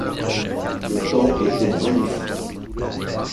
Le temps était magnifique